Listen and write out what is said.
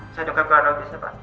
saya juga gak ada usur pak